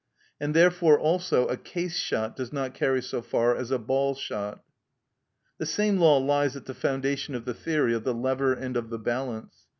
And therefore also a case shot does not carry so far as a ball shot. The same law lies at the foundation of the theory of the lever and of the balance.